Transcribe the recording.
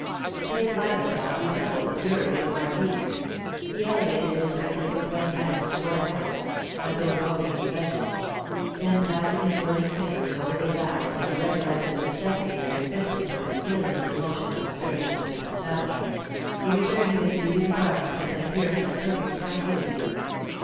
This latter thought redoubled the fury of the marquis. He elevated his tightly compressed hands towards heaven, as though invoking its vengeance; then, passing his burning fingers over his eyes as he recollected the necessity that existed for concealing his emotion from the servants of his establishment, he returned to his sleeping apartment with an appearance of perfect tranquillity.